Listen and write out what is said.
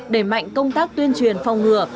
để mạnh công tác tuyên truyền phòng ngừa